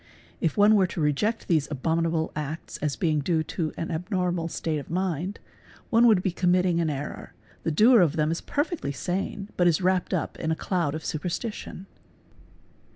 If one were to reject these abominable acts as being due to an abnormal state of mind, one would be committing an error, the doer of them is perfectly sane but is wrapped up in a cloud of super tition.